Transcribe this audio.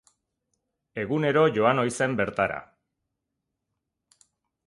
Egunero joan ohi zen bertara.